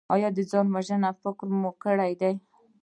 ایا د ځان وژنې فکر مو کړی دی؟